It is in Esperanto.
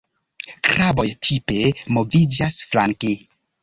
Kraboj tipe moviĝas flanke.